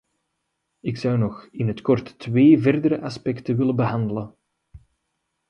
Ik zou nog in het kort twee verdere aspecten willen behandelen.